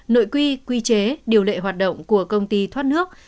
nội quy quy chế điều lệ hoạt động của công ty thoát nước